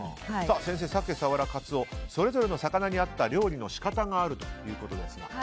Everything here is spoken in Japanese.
先生、サケ、サワラ、カツオそれぞれの魚に合った料理の仕方があるということですが。